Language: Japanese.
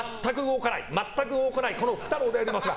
全く動かない福太郎でありますが。